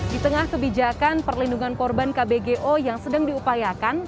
di tengah kebijakan perlindungan korban kbgo yang sedang diupayakan